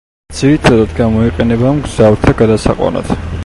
ძირითადად გამოიყენება მგზავრთა გადასაყვანად.